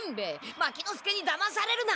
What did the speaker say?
牧之介にだまされるな！